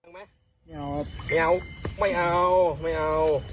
ไม่เอาไม่เอาไม่เอา